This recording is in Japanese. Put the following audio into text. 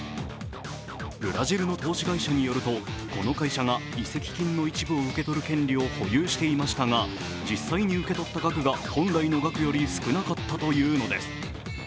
ブラジルの投資会社によるとこの会社が移籍金の一部を受け取る権利を保有していましたが実際に受け取った額が本来の額より少なかったというのです。